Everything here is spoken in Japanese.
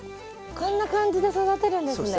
こんな感じで育てるんですね。